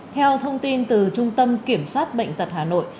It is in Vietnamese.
theo thông tin từ trung tâm kiểm soát bệnh tật hà nội